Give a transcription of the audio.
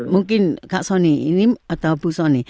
mungkin kak soni ini atau bu sony